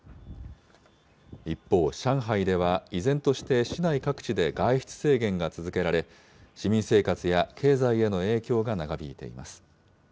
一方、上海では、依然として市内各地で外出制限が続けられ、市民生活や経済への影響が長引いています。